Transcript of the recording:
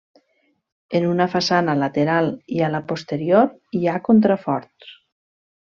En una façana lateral i a la posterior hi ha contraforts.